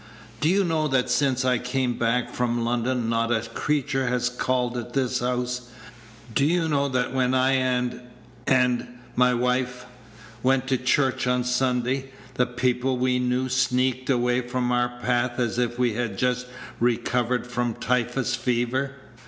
Do you know that since I came back from London not a creature has called at this house? Do you know that when I and and my wife went to church on Sunday, the people we knew sneaked away from our path as if we had just recovered from typhus fever?